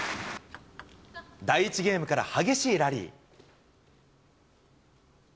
第１ゲームから激しいラリー。